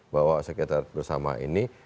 bahwa sekretar bersama ini